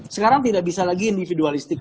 sekarang tidak bisa lagi individualistik